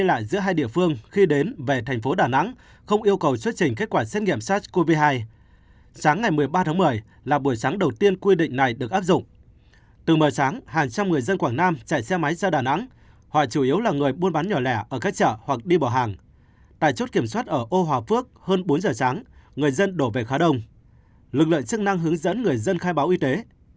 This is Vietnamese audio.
lực lượng chức năng hướng dẫn người dân khai báo y tế